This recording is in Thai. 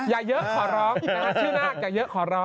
ชื่อนาฬอยากเยอะต้องขอร้อง